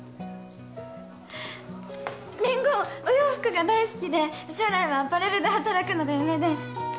りんごお洋服が大好きで将来はアパレルで働くのが夢で